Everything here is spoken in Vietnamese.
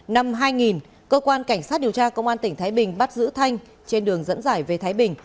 năm hai nghìn cơ quan cảnh sát điều tra công an tỉnh thái bình bắt giữ thanh trên đường dẫn giải về thái bình